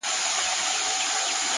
بریالي خلک له ماتې درس اخلي!.